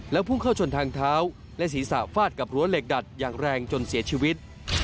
พุ่งเข้าชนทางเท้าและศีรษะฟาดกับรั้วเหล็กดัดอย่างแรงจนเสียชีวิต